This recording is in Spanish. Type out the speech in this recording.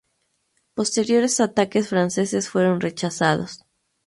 Posteriores ataques franceses fueron rechazados.